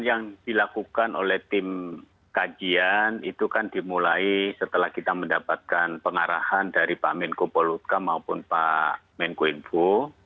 yang dilakukan oleh tim kajian itu kan dimulai setelah kita mendapatkan pengarahan dari pak menko poluka maupun pak menko info